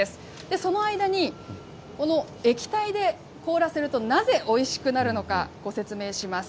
その間に、この液体で凍らせると、なぜおいしくなるのか、ご説明します。